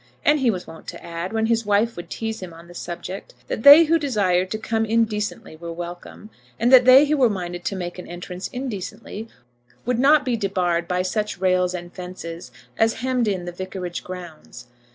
And he was wont to add, when his wife would tease him on the subject, that they who desired to come in decently were welcome, and that they who were minded to make an entrance indecently would not be debarred by such rails and fences as hemmed in the vicarage grounds.